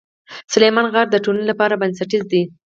سلیمان غر د ټولنې لپاره بنسټیز دی.